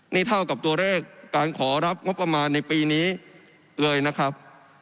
นี่เท่ากับตัวเลขการขอรับงบประมาณในปีนี้เลยนะครับ